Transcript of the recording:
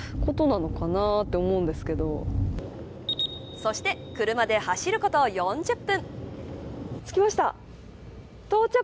そして車で走ること４０分。